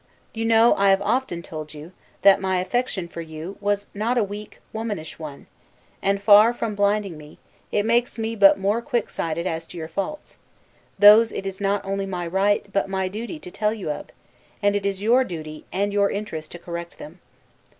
You know I have often told you, that my affection for you was not a weak, womanish one; and, far from blinding me, it makes me but more quick sighted as to your faults; those it is not only my right, but my duty to tell you of; and it is your duty and your interest to correct them.